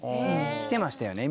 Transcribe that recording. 「きてましたよね